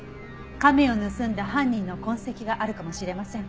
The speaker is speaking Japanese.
亀を盗んだ犯人の痕跡があるかもしれません。